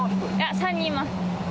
３人います。